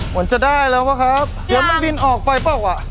กวนจะได้แล้วปะครับเดี๋ยวมันบินออกไปปะวะ